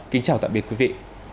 kính chào tạm biệt quý vị